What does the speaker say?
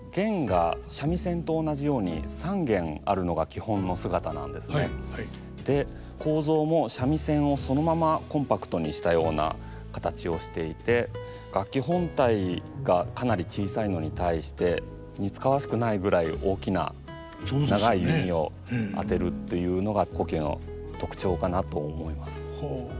よく間違えられやすいんですが構造も三味線をそのままコンパクトにしたような形をしていて楽器本体がかなり小さいのに対して似つかわしくないぐらい大きな長い弓を当てるというのが胡弓の特徴かなと思います。